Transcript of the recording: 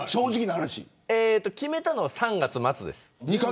決めたのは３月末です。